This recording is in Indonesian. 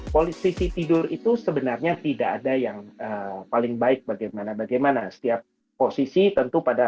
posisi tidur itu sebenarnya tidak ada yang paling baik bagaimana bagaimana setiap posisi tentu pada